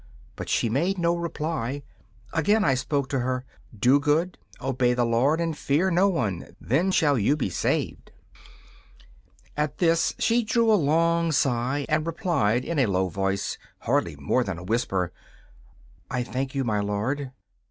But she made no reply. Again I spoke to her: 'Do good, obey the Lord and fear no one: then shall you be saved.' At this she drew a long sigh, and replied in a low voice, hardly more than a whisper: 'I thank you, my lord.